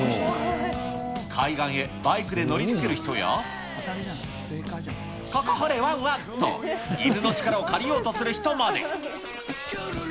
海岸へバイクで乗りつける人や、ここ掘れワンワンと、犬の力を借りようとする人まで。